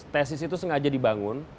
tesis itu sengaja dibangun